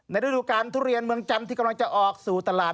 ฤดูการทุเรียนเมืองจันทร์ที่กำลังจะออกสู่ตลาด